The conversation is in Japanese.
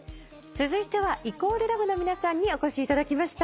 続いては＝ＬＯＶＥの皆さんにお越しいただきました。